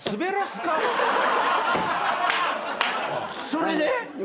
それで？